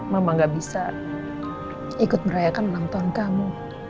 mama gak bisa ikut merayakan ulang tahun kamu